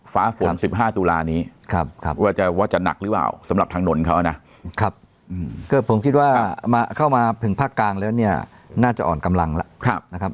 ฝาฝน๑๕ตุลานี้ครับว่าจะว่าจะหนักหรือแบบสำหรับทางนนเขานะครับก็ผมคิดว่ามาเข้ามาถึงพรักกลางแล้วเนี่ยน่าจะอ่อนกำลังล่ะครับนะครับ